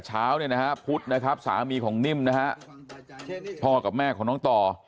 เช้าเนี่ยนะฮะพุธนะครับสามีของนิ่มนะฮะพ่อกับแม่ของน้องต่อ